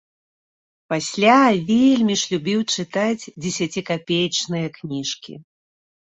Пасля вельмі ж любіў чытаць дзесяцікапеечныя кніжкі.